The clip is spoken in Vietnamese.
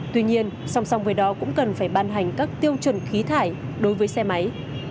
tuy nhiên song song với đó cũng cần phải ban hành các tiêu chuẩn khí thải đối với xe máy